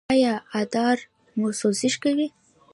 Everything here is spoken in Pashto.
ایا ادرار مو سوزش کوي؟